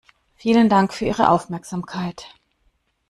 Vielen Dank für Ihre Aufmerksamkeit!